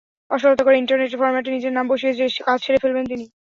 অলসতা করে ইন্টারনেটের ফরম্যাটে নিজের নাম বসিয়ে কাজ সেরে ফেলবেন না।